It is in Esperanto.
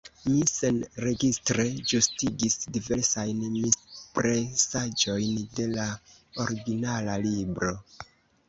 Mi senregistre ĝustigis diversajn mispresaĵojn de la originala libro.